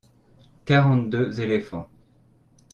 quarante deux éléphants.